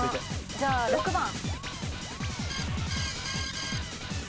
じゃあ６番。